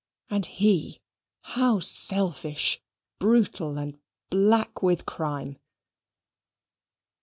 and he, how selfish, brutal, and black with crime!